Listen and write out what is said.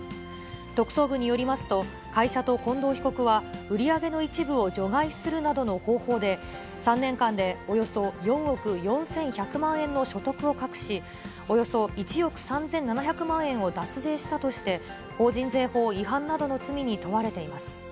特捜部によりますと、会社と近藤被告は、売り上げの一部を除外するなどの方法で、３年間でおよそ４億４１００万円の所得を隠し、およそ１億３７００万円を脱税したとして、法人税法違反などの罪に問われています。